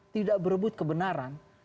tidak berebut kebenaran